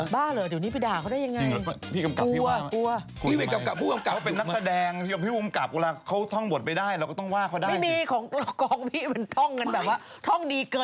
บ้าเหรอเดี๋ยวนี้ปี่ด่าเค้าได้อย่างไร